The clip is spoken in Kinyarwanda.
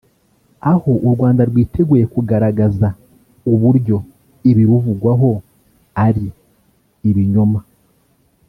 aho u Rwanda rwiteguye kugaragaza uburyo ibiruvugwaho ari “ibinyoma”